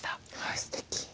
すてき。